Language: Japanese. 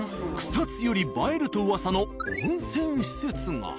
草津より映えるとうわさの温泉施設が。